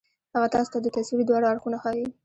هغه تاسو ته د تصوير دواړه اړخونه ښائي